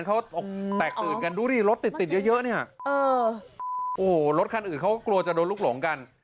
โอ้โหรถคันอื่นเขากลัวจะโดนลุกหลงกัน